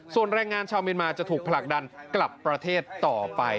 ส่วนแรงงานชาวเมียนมาจะถูกผลักดันกลับประเทศต่อไป